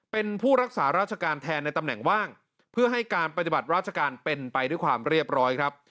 เป็นผู้รักษาราชการแทนในตำแหน่งว่างเพื่อให้การปฏิบัติราชการเป็นไปด้วยความเรียบร้อยครับ